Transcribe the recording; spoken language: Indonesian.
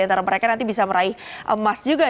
antara mereka nanti bisa meraih emas juga